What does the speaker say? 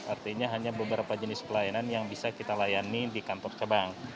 artinya hanya beberapa jenis pelayanan yang bisa kita layani di kantor cabang